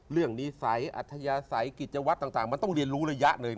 นิสัยอัธยาศัยกิจวัตรต่างมันต้องเรียนรู้ระยะหนึ่ง